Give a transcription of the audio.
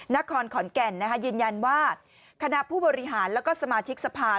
นครขอนแก่นยืนยันว่าคณะผู้บริหารแล้วก็สมาชิกสภา